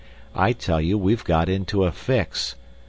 I tell you we've got into a fix.